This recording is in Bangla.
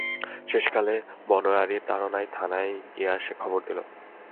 শেষকালে বনোয়ারির তাড়নায় থানায় গিয়া সে খবর দিল।